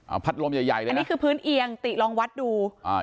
พัดลมใหญ่ใหญ่เลยนะอันนี้คือพื้นเอียงติลองวัดดูอ่า